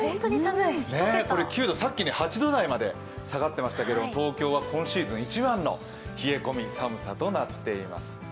９度、さっき８度台まで下がってましたけど、東京は今シーズン一番の冷え込み、寒さとなっています。